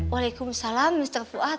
waalaikumsalam mister fuad